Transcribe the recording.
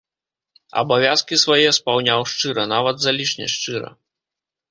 Абавязкі свае спаўняў шчыра, нават залішне шчыра.